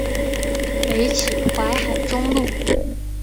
北起淮海中路。